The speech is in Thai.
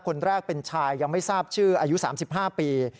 คนแรกเป็นชายยังไม่ทราบชื่ออายุ๓๕ปี